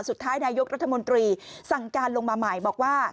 สุดท้ายนายกรัฐมนตรีสั่งการลงมาใหม่บอกว่า